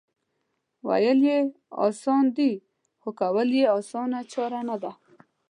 وېل یې اسان دي خو کول یې اسانه چاره نه ده